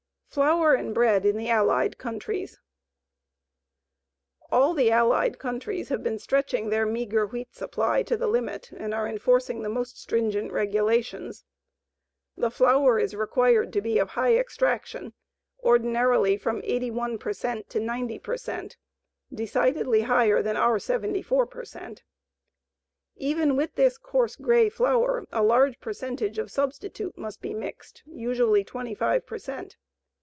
FLOUR AND BREAD IN THE ALLIED COUNTRIES All the Allied countries have been stretching their meagre wheat supply to the limit and are enforcing the most stringent regulations. The flour is required to be of high extraction ordinarily from 81 per cent to 90 per cent, decidedly higher than our 74 per cent. Even with this coarse, gray flour a large percentage of substitute must be mixed, usually 25 per cent.